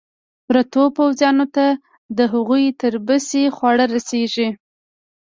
پرتو پوځیانو ته د هغوی تر بسې خواړه رسېږي.